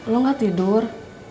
lu gak tidur